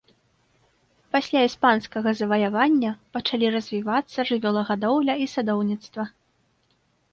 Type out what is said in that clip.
Пасля іспанскага заваявання пачалі развівацца жывёлагадоўля і садоўніцтва.